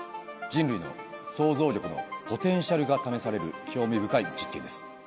人類の想像力のポテンシャルが試される興味深い実験です。